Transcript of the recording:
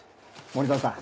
森園さん